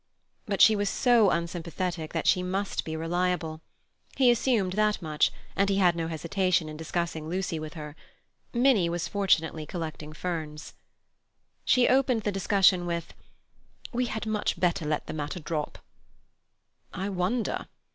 But she was so unsympathetic that she must be reliable. He assumed that much, and he had no hesitation in discussing Lucy with her. Minnie was fortunately collecting ferns. She opened the discussion with: "We had much better let the matter drop." "I wonder."